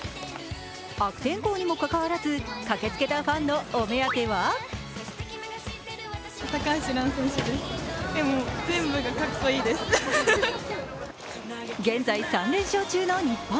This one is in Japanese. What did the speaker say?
悪天候にもかかわらず駆けつけたファンのお目当ては現在３連勝中の日本。